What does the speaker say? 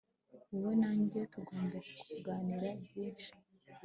wowe na njye tugomba kuganira byishi